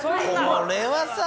これはさ！